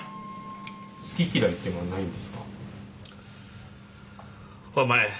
好き嫌いっていうのはないんですか？